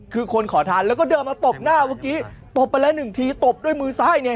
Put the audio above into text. คือคนขอทานแล้วก็เดินมาตบหน้าเมื่อกี้ตบไปแล้วหนึ่งทีตบด้วยมือซ้ายเนี่ย